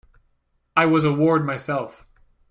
I was a ward myself.